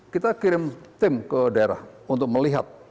kita kirim tim ke daerah untuk melihat